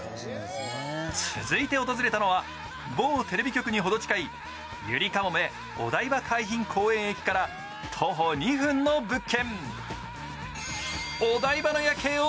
続いて訪れたのは某テレビ局にほど近いゆりかもめお台場海浜公園駅から徒歩２分の物件。